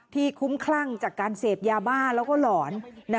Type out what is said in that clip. ที่คุ้มขั้่ล่างจากการเสพยาบ้านและหลอน